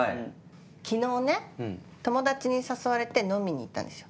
昨日ね友達に誘われて飲みに行ったんですよ。